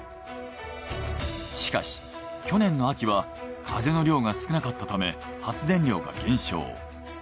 しかし去年の秋は風の量が少なかったため発電量が減少。